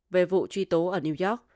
về vụ truy tố ở new york